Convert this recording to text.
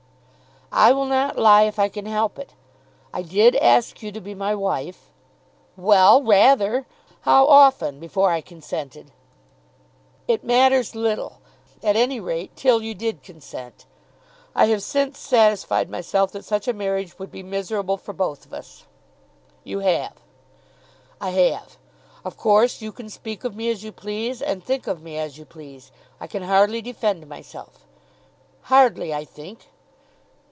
"I will not lie if I can help it. I did ask you to be my wife " "Well; rather. How often before I consented?" "It matters little; at any rate, till you did consent. I have since satisfied myself that such a marriage would be miserable for both of us." "You have?" "I have. Of course, you can speak of me as you please and think of me as you please. I can hardly defend myself." "Hardly, I think."